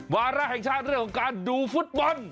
วาระแห่งชาติเรื่องของการดูฟุตบอล